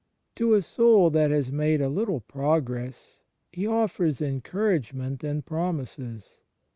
To a soul that has made a little progress He offers encouragement and promises.